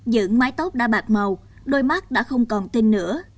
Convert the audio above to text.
dưỡng mái tóc đã bạc màu đôi mắt đã không còn tinh nữa